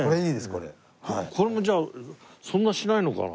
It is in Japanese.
これもじゃあそんなしないのかな？